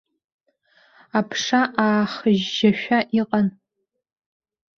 Аԥша аахыжьжьашәа иҟан.